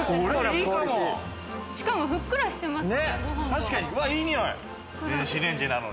しかも、ふっくらしてます。